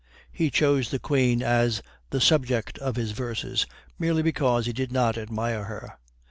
He chose the Queen as the subject of his verses merely because he did not admire her.